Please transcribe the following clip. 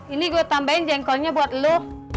ini gue tambahin jengkolnya buat lo